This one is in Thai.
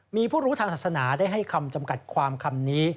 มีผู้รู้ทางศาสนาได้ให้คำจำกัดความคำนี้